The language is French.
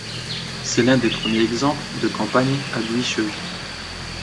C'est l'un des premiers exemples de campagne aguicheuse.